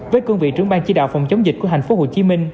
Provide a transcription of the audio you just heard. với cương vị trưởng ban chỉ đạo phòng chống dịch của tp hcm